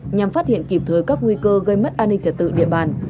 nhằm phát hiện kịp thời các nguy cơ gây mất an ninh trật tự địa bàn